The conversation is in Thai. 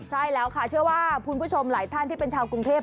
ใช่แล้วค่ะเชื่อว่าคุณผู้ชมหลายท่านที่เป็นชาวกรุงเทพ